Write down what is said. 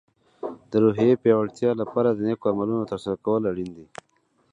د روحیې د پیاوړتیا لپاره د نیکو عملونو ترسره کول اړین دي.